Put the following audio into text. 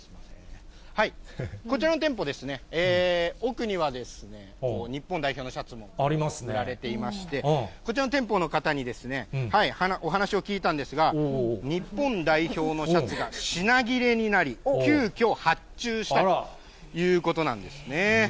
こちらの店舗、奥には日本代表のシャツも売られていまして、こちらの店舗の方にお話を聞いたんですが、日本代表のシャツが品切れになり、急きょ発注したということなんですね。